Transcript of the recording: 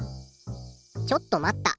ちょっと待った！